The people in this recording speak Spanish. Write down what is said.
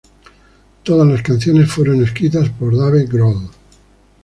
Todas las canciones fueron escritas por Dave Grohl